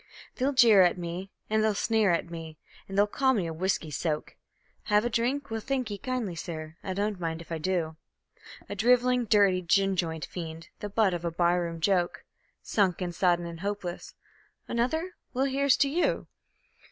They'll jeer at me, and they'll sneer at me, and they'll call me a whiskey soak; ("Have a drink? Well, thankee kindly, sir, I don't mind if I do.") A drivelling, dirty, gin joint fiend, the butt of the bar room joke; Sunk and sodden and hopeless "Another? Well, here's to you!"